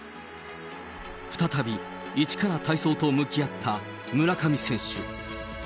再び一から体操と向き合った村上選手。